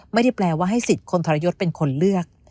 ไม่ได้แปลว่าให้สิทธิ์คนทรยศเป็นคนเลือก